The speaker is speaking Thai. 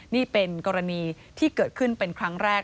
นี่เป็นกรณีที่เกิดขึ้นเป็นครั้งแรก